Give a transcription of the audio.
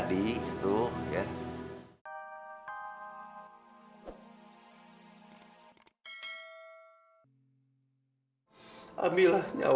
bapak kenapa pak